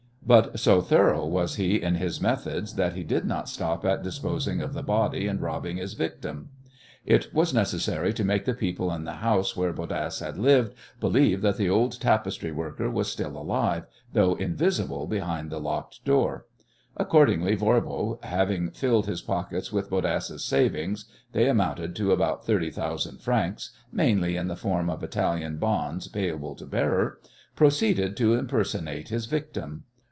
But so thorough was he in his methods that he did not stop at disposing of the body and robbing his victim. It was necessary to make the people in the house where Bodasse had lived believe that the old tapestry worker was still alive, though invisible behind the locked door. Accordingly, Voirbo, having filled his pockets with Bodasse's savings they amounted to about thirty thousand francs, mainly in the form of Italian bonds payable to bearer proceeded to impersonate his victim.